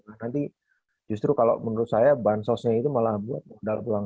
nanti justru kalau menurut saya bansosnya itu malah buat pulang kampung